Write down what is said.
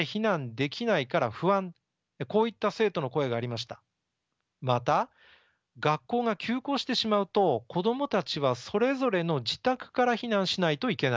また「学校が休校してしまうと子供たちはそれぞれの自宅から避難しないといけない。